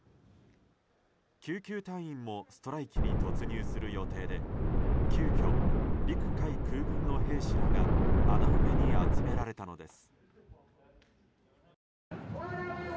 救急隊員もストライキに突入する予定で急きょ、陸海空軍の兵士らが穴埋めに集められたのです。